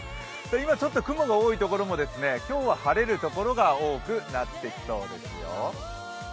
今、ちょっと雲が多いところも今日は晴れるところが多くなってきそうですよ。